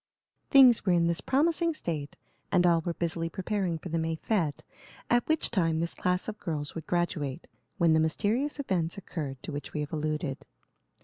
Things were in this promising state, and all were busily preparing for the May fête, at which time this class of girls would graduate, when the mysterious events occurred to which we have alluded.